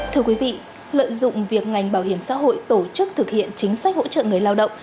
thưa quý vị lợi dụng việc ngành bảo hiểm xã hội tổ chức thực hiện chính sách hỗ trợ người lao động